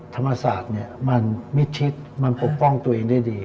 ธรรมศาสตร์มันมิดชิดมันปกป้องตัวเองได้ดี